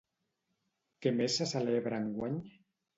Què més se celebra enguany?